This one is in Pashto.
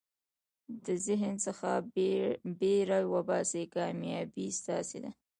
د ذهن څخه بېره وباسئ، کامیابي ستاسي ده.